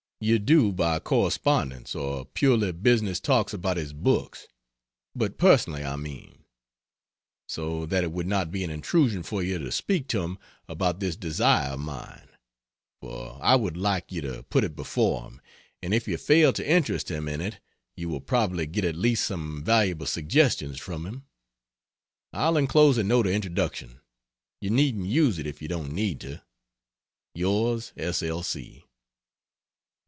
You do by correspondence or purely business talks about his books but personally, I mean? so that it would not be an intrusion for you to speak to him about this desire of mine for I would like you to put it before him, and if you fail to interest him in it, you will probably get at least some valuable suggestions from him. I'll enclose a note of introduction you needn't use it if you don't need to. Yours S. L.